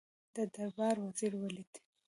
د دربار وزیر ولید.